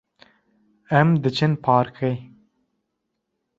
Em diçin parkê.